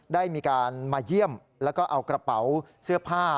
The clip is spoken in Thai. ได้มีการมาเยี่ยมแล้วก็เอากระเป๋าเสื้อผ้า